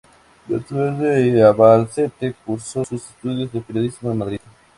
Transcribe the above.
Natural de Albacete, cursó sus estudios de periodismo en Madrid.